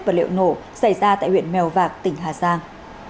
vật liệu nổ xảy ra tại huyện mèo vạc tỉnh hà giang